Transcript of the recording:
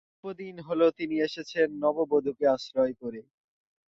অল্পদিন হল তিনি এসেছেন নববধূকে আশ্রয় করে।